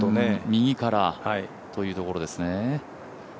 右からというところですね。